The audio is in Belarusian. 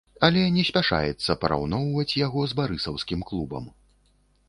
Але не спяшаецца параўноўваць яго з барысаўскім клубам.